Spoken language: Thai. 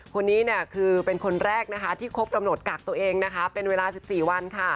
คนนี้คือเป็นคนแรกนะคะที่ครบกำหนดกักตัวเองนะคะเป็นเวลา๑๔วันค่ะ